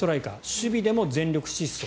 守備でも全力疾走。